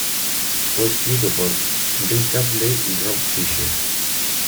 Fue escrito por Rick Astley y Rob Fisher.